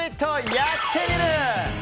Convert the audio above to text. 「やってみる。」。